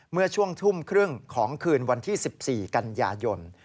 เมื่อช่วงทุ่มครึ่งของคืนวันที่๑๔กันยายน